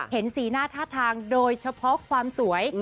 เห็นสีหน้าท่าทางโดยเฉพาะความสวย